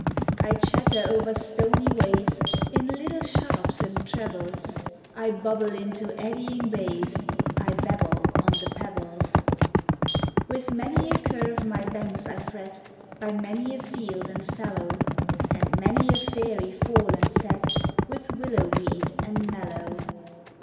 I chatter over stony ways, In little sharps and trebles, I bubble into eddying bays. I babble on the pebbles. With many a curve my banks I frel By many a field and fallow, And many a fairy foreland set With willow weed and mallow.